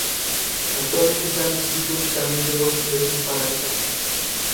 Es el descubridor de cinco lunas y tres anillos planetarios.